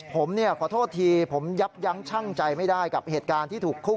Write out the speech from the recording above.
ผมขอโทษทีผมยับยั้งชั่งใจไม่ได้กับเหตุการณ์ที่ถูกคุก